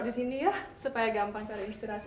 di sini ya supaya gampang cari inspirasi